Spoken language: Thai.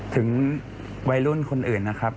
ถึงวัยรุ่นคนอื่นนะครับ